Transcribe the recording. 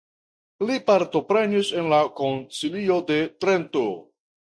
Li partoprenis en la Koncilio de Trento.